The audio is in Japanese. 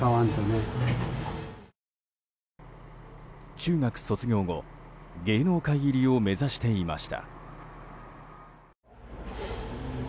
中学卒業後芸能界入りを目指していました。